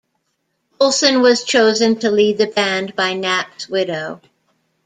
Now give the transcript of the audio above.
Olsen was chosen to lead the band by Knapp's widow.